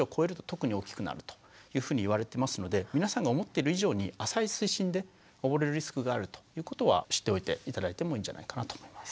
特に大きくなるというふうにいわれてますので皆さんが思ってる以上に浅い水深で溺れるリスクがあるということは知っておいて頂いてもいいんじゃないかなと思います。